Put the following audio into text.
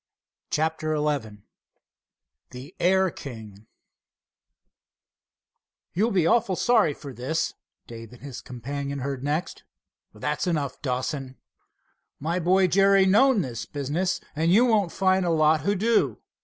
CHAPTER XI THE AIR KING "You'll be awful sorry for this," Dave and his companion heard next. "That's enough, Dawson." "My boy, Jerry, knows this business, and you won't find a lot who do."